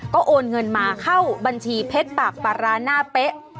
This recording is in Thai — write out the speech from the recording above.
ก็โอนเงินมาเข้าบัญชีเพชรปากปาราหน้าเป๊ะ